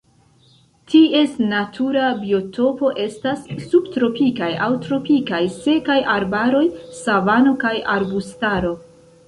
Ties natura biotopo estas subtropikaj aŭ tropikaj sekaj arbaroj, savano kaj arbustaro.